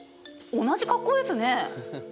同じ格好ですね？